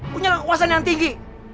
punya kekuasaan yang tinggi